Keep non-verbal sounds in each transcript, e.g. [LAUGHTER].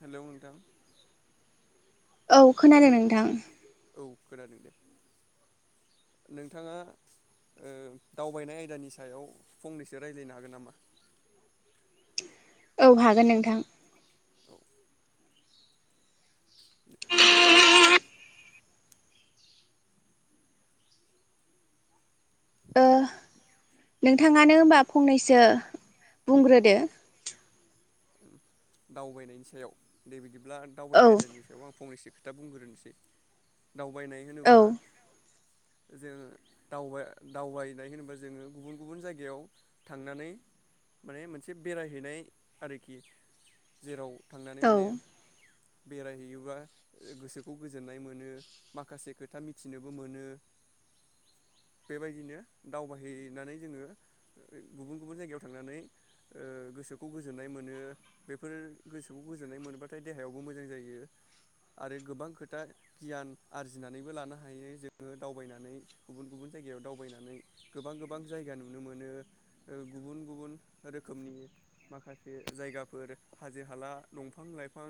Hello नोंथां। औ hello खोनादों नोंथां। औ खोनादों दे नोंथाङा ओ दावबायनाय आयदानि सायाव फंनैसो रायज्लायनो हागोन नामा? औ हागोन नोंथां। औ [INAUDIBLE] ओ नोंथाङानो होमबा फंनैसो बुंग्रोदो। दावबायनायनि सायाव दे बिदि ब्ला दावबाय औ आयदानि सायाव आं फंनैसो खोथा बुंग्रोनोसै। दावबायनाय औ होनोबा जोङो दावबाय दावबायनाय होनोबा जोङो गुबुन गुबुन जायगायाव थांनानै माने मोनसे बेरायहैनाय आरोखि जेराव थांनानै औ माने बेरायहैयोबा गोसोखौ गोजोननाय मोनो। माखासे खोथा मिथिनोबो मोनो बेबायदिनो दावबायहैनानै जोङो ओ गुबुन गुबुन जायगायाव थांनानै ओ गोसोखौ गोज जोनाय मोनो। बेफोर गोसोखौ गोजोननाय मोनोबाथाय देहायावबो मोजां जायो। आरो गोबां खोथा गियान आरजिनानैबो लानो हायो जोङो दावबायनानै गुबुन गुबुन जायगायाव दावबायनानै गोबां गोबां जायगा नुनो मोनो ओ गुबुन गुबुन रोखोमनि माखासे जायगाफोर हाजो हाला दंफां लाइफां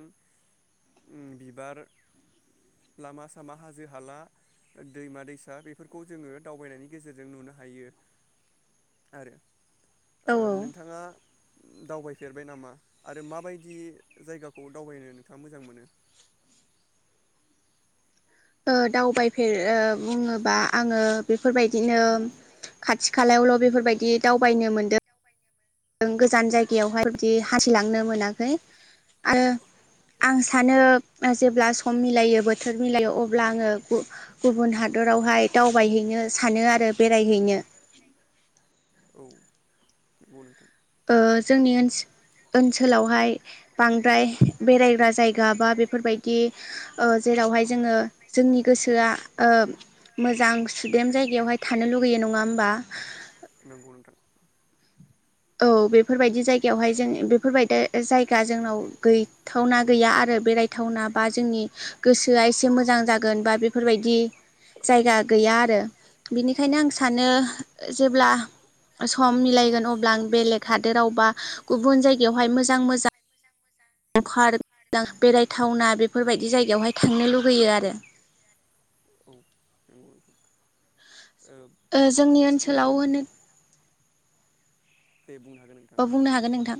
उम बिबार लामा सामा हाजो हाला दैमा दैसा बेफोरखौ जोङो दावबायनायनि गेजेरजों नुनो हायो। आरो औ ओ नोंथाङा दावबायफेरबाय नामा? आरो माबायदि जायगाखौ दावबायनो नोंथाङा मोजां मोनो? ओ दावबायफेर ओ बुङोबा आङो बेफोरबायदिनो खाथि खालायावल' बेफोरबायदि दावबायनो मोनदो ओं गोजान जायगायावहाय बेफोरबादि हानथिलांनो मोनाखै आरो आं सानो ओ जेब्ला सम मिलायो बोथोर मिलायो अब्ला आङो गु-गुबुन हादरावहाय दावबायहैनो सानो आरो बेरायहैनो। औ नंगौ नोंथां। ओ जोंनि ओनस ओनसोलावहाय बांद्राय बेरायग्रा जायगा बा बेफोरबायदि ओ जेरावहाय जोङो जोंनि गोसोआ ओ मोजां सुदेम जायगायावहाय थानो लुगैयो नङा होमबा? नंगौ नोंथां औ बेफोरबायदि जायगायावहाय जों बेफोरबायदा जायगा जोंनाव गैथावना गैया आरो बेरायथावना बा जोंनि गोसोआ एसे मोजां जागोन बा बेफोरबायदि जायगा गैया आरो। बेनिखायनो आं सानो जेब्ला सम मिलायगोन अब्ला आं हादोरावबा गुबुन जायगायावहाय मोजां मोजां ओं पार्क [UNINTELLIGIBLE] बेरायथावना बेफोरबायदि जायगायावहाय थांनो लुुबैयो आरो। औ नंगौ नोंथां। ओ जोंनि मोजां ओनसोलाव होनो दे बुंनो हागोन नोंथां बा ओ बुंनो हागोन नोंथां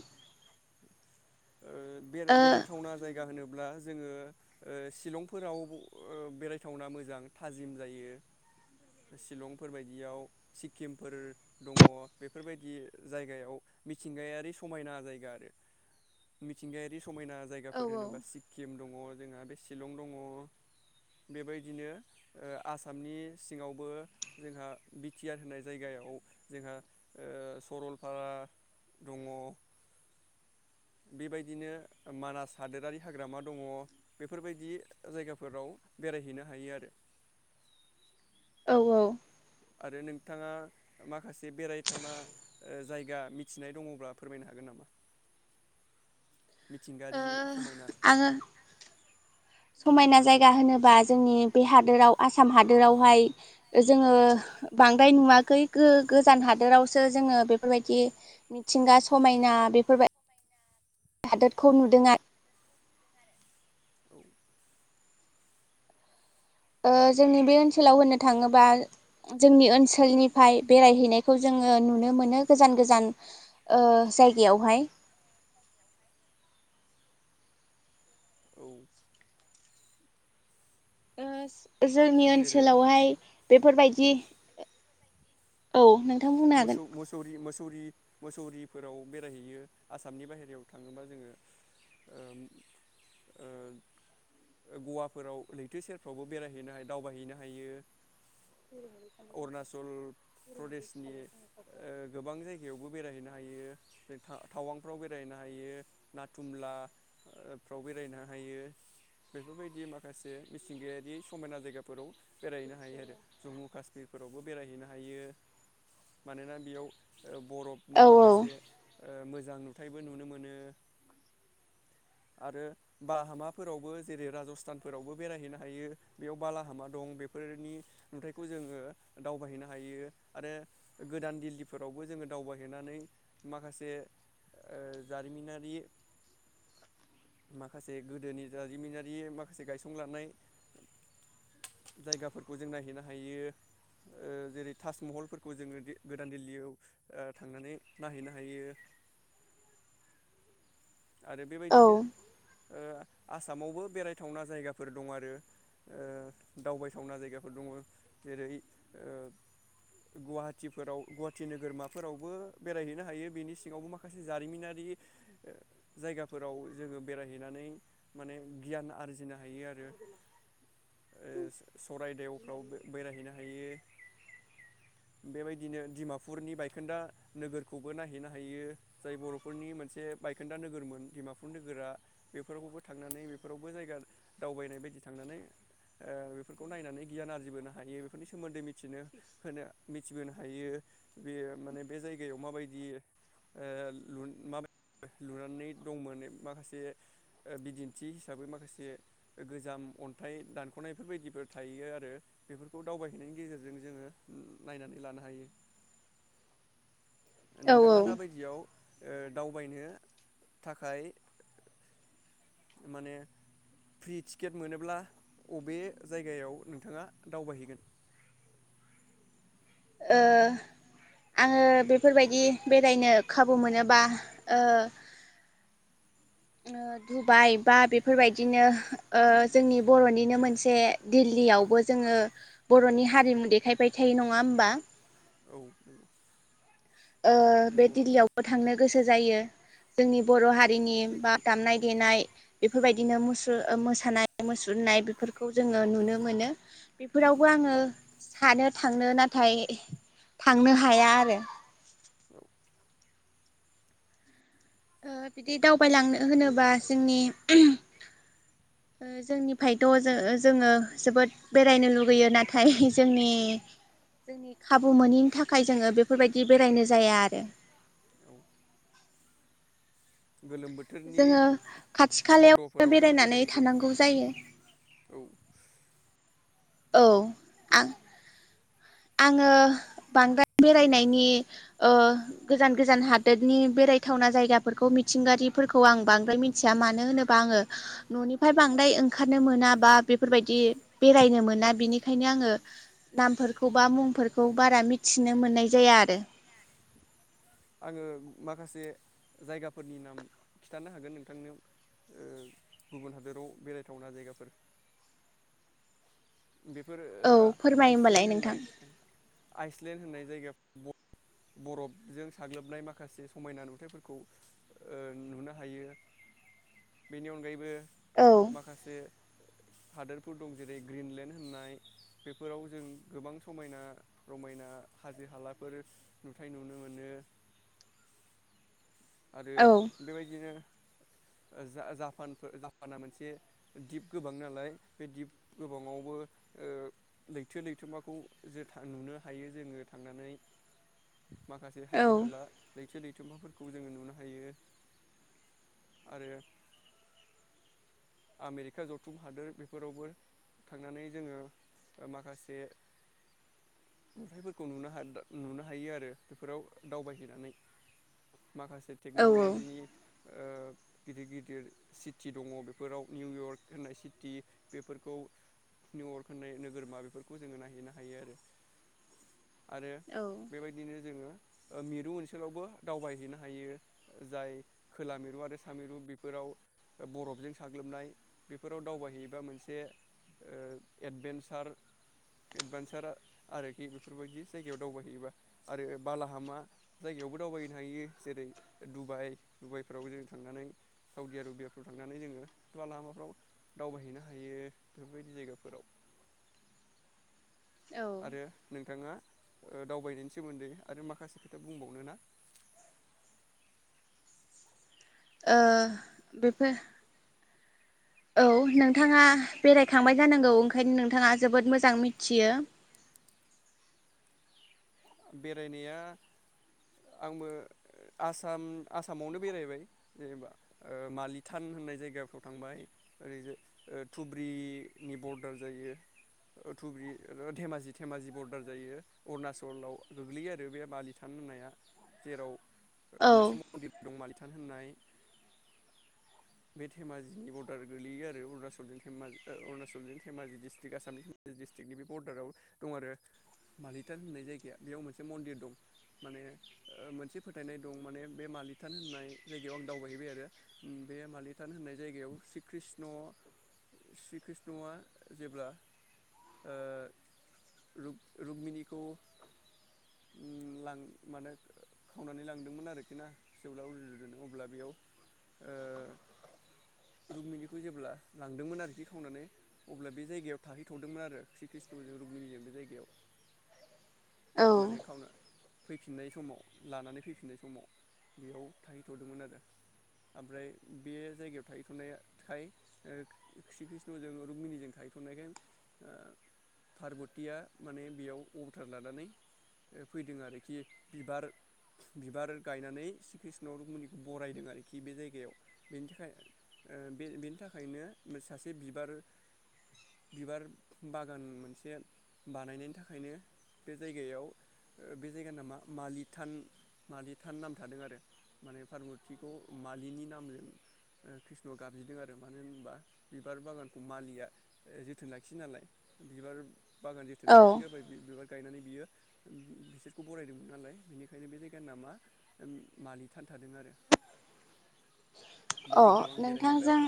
ओ बे-बेरायथावना जायगा होनो अब्ला जोङो ओ शिलंफोराव बेरायथावना मोजां थाजिम जायो शिलंफोरबायदियाव सिक्किमफोर दङ बेफोरबायदि जायगायाव मिथिंगायारि समायना जायगा आरो मिथिंगायारि समायना औ जायगाफोर होनोबा सिक्किम दङ। जोंहा बे शिलं दङ बेबायदिनो आसामनि सिङावबो जोंहा बि टि आर होननाय जायगायाव जोंहा ओ सरलपारा दङ बेबायदिनो मानास हादोरारि हाग्रामा दङ बेफोरबायदि जायगाफोराव बेरायहैनो हायो आरो। औ औ। आरो नोंथाङा माखासे बेरायथावना जायगा मिथिनाय दङब्ला फोरमायनो हागोन नामा? मिथिंगारियै समायना। आङो समायना जायगा होनोबा जोंनि बे हादोराव आसाम हादोरावहाय जोङो बांद्राय नुवाखै गो-गोजान हादोरावसो जोङो बेफोरबायदि मिथिंगा समायना बेफोरबाय हादोरखौ नुदों आ औ ओ जोंनि बे ओनसोलाव होननो थाङोबा जोंनि ओनसोलनिफाय बेरायहैनायखौ जोङो नुनो मोनो गोजान गोजान ओ जायगायावहाय। औ ओस जोंनि जेरै ओनसोलावहाय बेफोरबायदि औ नों मोसौ मोसौरि मोस मोसौरि मोसौरिफोराव बेरायहैयो आसामनि बाहेरायाव थाङोबा जोङो ओ ओ गवाफोराव लैथो सेरफ्रावबो बेरायहैनो हायो दावबायहैनो हायो। अरुणाचल प्रदेश नि ओ गोबां जायगायावबो बेरायहैनो हायो। जों टावांफ्राव बेरायहैनो हायो नाथुमलाफ्राव बेरायनो हायो बेफोरबायदि माखासे मिथिंगायारि समायना जायगाफोराव बेरायहैनो हायो आरो जम्मु काश्मिरफोरावबो बेरायहैनो हायो। मानोना बेयाव बरफनि औ माखासे मोजां नुथायबो नुनो मोनो आरो बा हामाफोरावबो जेरै राजस्थानफोरावबो बेरायहैनो हायो बेयाव बालाहामा दं बेफोरनि नुथाइखौ जोङो दावबायहैनो हायो। आरो गोदान दिल्लीफोरावबो जोङो दावबायहैनानै माखासे जारिमिनारि माखासे गोदोनि जारिमिनारि माखासे गायसंलांनाय जायगाफोरखौ जों नायहैनो हायो ओ जेरै ताजमहल। फोरखौ जोङो गोदान दिल्लीयाव ओ थांनानै नाहैनो हायो। आरो औ बेबायदिनो ओ आसामावबो बेरायथावना जायगाफोर दं आरो दावबायथावना जायगाफोर दङ जेरै ओ गुवाहाटिफोराव गुवाहाटि नोगोरमाफोरावबो बेरायहैनो हायो बेनि सिङावबो माखासे जारिमिनारि जायगाफोराव जोङो बेरायहैनानै माने गियान आरजिनो हायो आरो। ओ सरायदेवफ्राव बेरायहैनो हायो। बेबायदिनो डिमापुरनि बायखोन्दा नोगोरखौबो नायहैनो हायो जाय बर'फोरनि मोनसे बायखोन्दा नोगो नोगोरमोन डिमापुर नोगोरा बेफोरावबो थांनानै बेफोरावबो जायगा दावबायनाय बायदि थांनानै ओ बेफोरखौ नायनानै गियान आरजिबोनो हायो बेफोरनि सोमोन्दै मि मिथिनो होनो थिबोनो हायो बेयो माने बे जायगायाव माबाय बियो ओ [INAUDIBLE] नै दंमाने माखासे ओ बिदिन्थि हिसाबै माखासे गोजाम अन्थाइ दानख'नायफोरबायदिफोर थायो आरो बेफोरखौ दावबायहैनायनि गेजेरजों जोङो नायनानै लानो हायो। औ नोंथाङा दाबायदियाव ओ दावबायनो थाखाय माने फ्रि थिकेट मोनोब्ला अबे जायगायाव नोंथाङा दावबायहैगोन? ओ आङो बेफोरबायदि बेरायनो खाबु मोनोबा ओ ओ दुबाइ बा बेफोरबायदिनो ओ जोंनि बर'निनो मोनसे दिल्लीयावबो जोङो बर'नि हारिमु देखायबाय थायो नङा होमबा? औ नोंगौ। ओ बे दिल्लीयावबो थांनो गोसो जायो। जोंनि बर' हारिनि बा दामनाय देनाय बेफोरबायदिनो मुसुर ओ मोसानाय मुसुरनाय बेफोरखौ जोङो नुनो मोनो बेफोरावबो आङो सानो थांनो नाथाय थांनो हाया आरो औ ओ बिदि दावबायलांनो होनोबा जोंनि ओ जोंनिफायथ' ओजो जोङो जोबोद बेरायनो लुगैयो नाथाय जोंनि जोंनि खाबु मोनैनि थाखाय जोङो बेफोरबायदि बेरायनो जाया आरो औ गोलोम बोथोरनि जोङो खाथि खालायाव बन्द'फोरावबो बेरायनानै थानांगौ जायो। बेरायहैजायो औ औ आं आङो बांद्राय बेरायनायनि ओ गोजान गोजान हादोदनि बेरायथावना जायगाफोरखौ मिथिंगारिफोरखौ आं बांद्राय मिन्थिया मानो होनोबा आङो न'निफ्राय बांद्राय ओंखारनो मोना बा बेफोरबायदि बेरायनो मोन ना बिनिखायनो आङो नामफोरखौ बा मुंफोरखौ बारा मिथिनो मोननाय जायो आरो आङो माखासे जायगाफोरनि नाम खिथानो हागोन नोंथांनो ओ गुबुन हादोराव बेरायथावना जायगाफोर बेफोर औ ओ फोरमाय होमबालाय आइसलेण्ड नोंथां होननाय आइस लेन होननाय जायगा ब बरफजों साग्लोबनाय माखासे समायना नुथायफोरखौ ओ नुनो हायो बेनि अनगायैबो औ माखासे हादोरफोर दं जेरै ग्रिनलेण्ड होननाय बेफोराव जों गोबां समायना रमायना हाजो हालाफोर नुथाय नुनो मोनो। आरो औ बेबायदिनो जा जापानफोर जापाना मोनसे दिप गोबां नालाय बे दिप गोबाङावबो ओ लैथो लैथोमाखौ जोथा नुनो हायो जोङो थांनानै माखासे औ हाजो हाला लैथो लै जोंमाफोरख खौ जोङो नुनो हायो आरो आमेरिका जथुम हादोर बेफोरावबो थांनानै जोङो ओ माखासे नुथायफोरखौ नुनो हा दा नुनो हायो आरो बेफोराव दावबायहैनानै। माखासे औ टेक्न'ल'जिनि ओ गिदिर गिदिर सिटि दङ बेफ फोराव निउयर्क होननाय सिटि बेफोरखौ निउयर्क होननाय नोगोरमा बेफोरखौ जोङो नायहैनो हायो आरो आरो औ बेबायदिनो जोङो ओ मिरु ओनसोलावबो दावबायहैनो हायो जाय खोला मिरु आरो सा मिरु बेफोराव ओ बरफजों स साग्लोबनाय बेफोराव दावबायहैयोबा मोनसे ओ एडभेनसार एडभेनसार आरोखि बेफोरबायदि जायगायाव दावबायहैयोबा आरो बालाहामा जायगायावबो दावबायहैनो हायो जेरै डुबाइ डुबाइफ्रावबो जों थांनानै साउदि रुबियाफ्राव थांनानै जोङो थुवा लामाफ्राव दावबायहैनो हायो बेफोरबायदि जायगाफोराव ओ आरो नोंथाङा ओ दावबायनायनि सोमोन्दै आरो माखासे खोथा बुंबावनो ना? ओ बेफोर औ नोंथाङा बेरायखांबाय जानांगौ ओंखायनो नोंथाङा जोबोद मोजां मिथियो। ओ बेरायनाया आंबो आसाम आसामावनो बेरायबाय जेनेबा ओ मालिथान होननाय जायगाफ्राव थांबाय ओरैजाय ओ धुब्रिनि बरडार जायो ओ धुब्रि ओ धेमाजि धेमाजि बरदार जायो अरुणाच दरलाव गोग्लैयो आरो बे बालिथान होननाया जेराव ओ औ मोनसे मन्दिर दं मालि थान होननाय बे धेमाजिनि बरडार गोलैयो आरो अरुणाचलजों धेमाजि ओ अरूणाचलजों धेमाजि डिस्ट्रक आसामनि धेमाजि डिस्ट्रिकनि बे बर्डाराव दं आरो मालिथान होननाय जायग या बेयाव मोनसे मन्दिर दं माने ओ मोनसे फोथायनाय दं माने बे मालिथान होननाय जायगायाव आं दावबायहैबाय आरो उम बे मालिथान होननाय जायगायाव श्री कृष्ण श्री कृष्णआ जेब्ला ओ रूग रुग्मिनिखौ उम लां माने खावनानै लांदोंमोन आरोखि ना फिसौला उल [UNINTELLIGIBLE] अब्ला बेयाव ओ रुगमिनिखौ जेब्ला लांदोंमोन आरोखि खावनानै अब्ला बे जायगायाव थाहैथ'दोंमोन आरो श्री कृष्णजों रुग्मिनिजों बे जायगायाव माने खावना फैफिननाय समाव लानानै फैफिननाय समाव बेयाव थाहैथ'दोंमोन आरो ओमफ्राय बे जायगायाव थाहैथ'नाया थाय ओ श्री कृष्णजों रुगमिनिजों थाहैथ'नायखाय ओ पार्बतिया माने बेयाव अबथार लानानै। फैदों आरोखि बिबार बिबार गायनानै श्री कृष्ण रूगमनिखौ बरायदों आरोखि बे जायगायाव बेनि थाखाय, ओ बे बेनि थाखायनो सासे बिबार बिबार बागान मोनसे बानायनायनि थाखायनो बे जायगायाव ओ बे जायगानि नामा मालिथान मालिथान नाम थादों आरो, माने पारबथिखौ मालिनि नामजों कृष्णआ गाबज्रिदों आरो मानो होनबा बिबार बागानखौ मालिया जोथोन लाखियो नालाय बिबार बागान जोथोन औ लाखिग्रा बायदि बिबार गायनानै। बियो बि-बिसोरखौ बरायदोंमोन नालाय बेनिखायनो बे जायगानि नामा ओम मालिथान थादों आरो। बे अ' जायगायाव आं बेरायहैबाय नोंथांजों।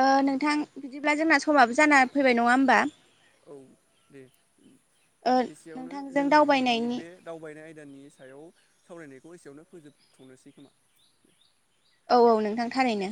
ओ नोंथां बिदिब्ला जोंना समाबो जाना फैबाय नङा होमबा। औ दे ओ एसेयावनो नोंथांजों जोंनि दिनैनि दावबायनायनि बे दावबायनाय आयदानि सायाव। सावरायनायखौ एसेयावनो फोजोबथ'नोसै खोमा दे। औ औ नोंथां थारैनो।